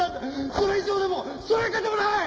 それ以上でもそれ以下でもない！